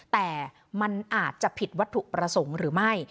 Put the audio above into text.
แต่มันอาจจะผิดวัตถุประสงค์หรือไม่